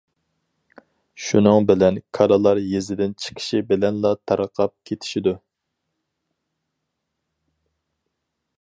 شۇنىڭ بىلەن كالىلار يېزىدىن چىقىشى بىلەنلا تارقاپ كېتىشىدۇ.